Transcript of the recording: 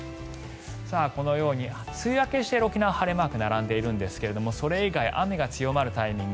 このように梅雨明けしてる沖縄は晴れマークが並んでいるんですがそれ以外、雨が強まるタイミング